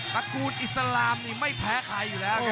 ระกูลอิสลามนี่ไม่แพ้ใครอยู่แล้ว